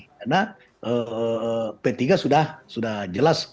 karena p tiga sudah jelas